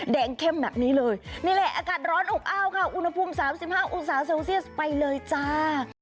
เข้มแบบนี้เลยนี่แหละอากาศร้อนอบอ้าวค่ะอุณหภูมิ๓๕องศาเซลเซียสไปเลยจ้า